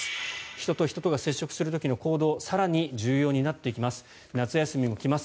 人と人とが接触する時の行動更に重要になってきます。